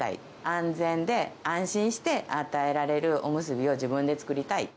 安全で安心して与えられるおむすびを自分で作りたい。